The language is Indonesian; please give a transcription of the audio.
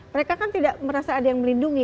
mereka kan tidak merasa ada yang melindungi